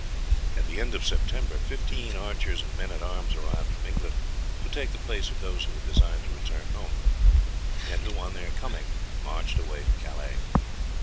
At the end of September fifteen archers and men at arms arrived from England to take the place of those who had desired to return home, and who on their coming marched away to Calais.